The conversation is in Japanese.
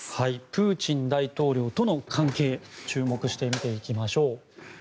プーチン大統領との関係注目して見ていきましょう。